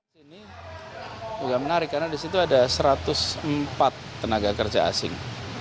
bukan menarik karena disitu ada satu ratus empat tenaga kerja asing